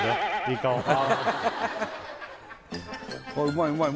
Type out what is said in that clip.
うまい